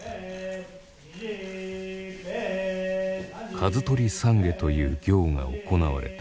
数取懺悔という行が行われた。